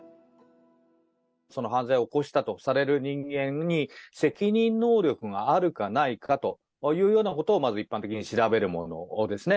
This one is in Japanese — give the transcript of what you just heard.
その犯罪を起こしたとされる人間に、責任能力があるかないかというようなことを一般的に調べるものですね。